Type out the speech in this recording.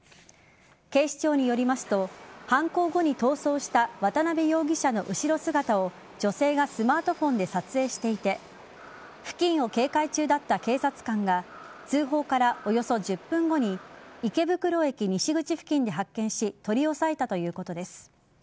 警視庁によりますと犯行後に逃走した渡辺容疑者の後ろ姿を女性がスマートフォンで撮影していて付近を警戒中だった警察官が通報からおよそ１０分後に池袋駅西口付近で発見し取り押さえたということです。